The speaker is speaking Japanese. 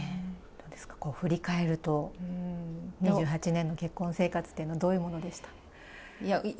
どうですか、振り返ると、２８年の結婚生活というのは、どういうものでした？